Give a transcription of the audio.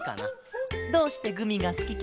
どうしてグミがすきケロ？